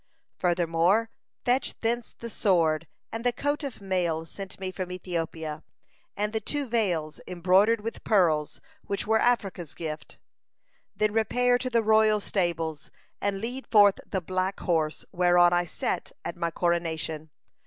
Furthermore, fetch thence the sword and the coat of mail sent me from Ethiopia, and the two veils embroidered with pearls which were Africa's gift. Then repair to the royal stables, and lead forth the black horse whereon I sat at my coronation.